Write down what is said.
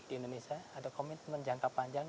di indonesia ada komitmen jangka panjang